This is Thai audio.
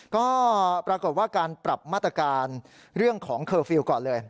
ก็ปรากฏว่าการปรับมาตรการเรื่องของเคอร์ฟิลล์ก่อนเลย